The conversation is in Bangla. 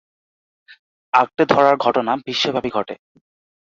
আঁকড়ে ধরার ঘটনা বিশ্বব্যাপী ঘটে।